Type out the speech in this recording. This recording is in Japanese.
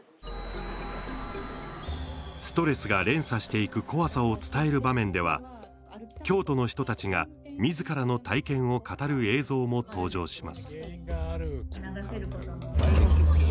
ストレスが連鎖していく怖さを伝える場面では京都の人たちがみずからの体験を語る映像も登場します。